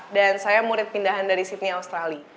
dan saya murid pindahan dari sydney australia